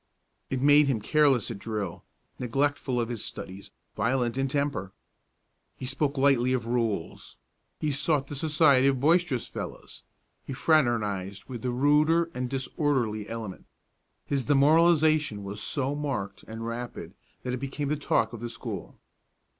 It made him careless at drill, neglectful of his studies, violent in temper. He spoke lightly of rules; he sought the society of boisterous fellows; he fraternized with the ruder and disorderly element. His demoralization was so marked and rapid that it became the talk of the school.